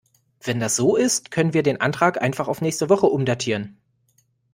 Wenn das so ist, können wir den Antrag einfach auf nächste Woche umdatieren.